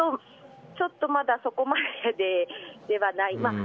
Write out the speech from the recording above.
ちょっとまだそこまでではない。